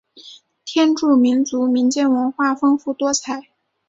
天柱民族民间文化丰富多彩。